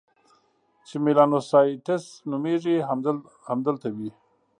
چې میلانوسایټس نومیږي، همدلته وي.